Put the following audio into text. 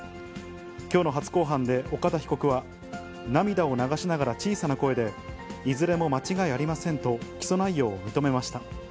きょうの初公判で岡田被告は、涙を流しながら小さな声で、いずれも間違いありませんと、起訴内容を認めました。